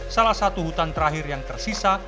salah satu hutan terakhir yang tersisa